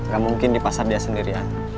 gak mungkin di pasar dia sendirian